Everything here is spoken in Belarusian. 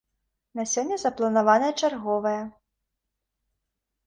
На сёння запланаваная чарговая.